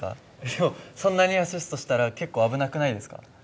でもそんなにアシストしたら結構危なくないですか？